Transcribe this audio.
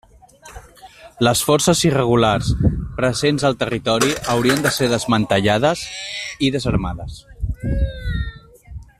Les forces irregulars presents al territori haurien de ser desmantellades i desarmades.